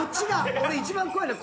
俺一番怖いのは。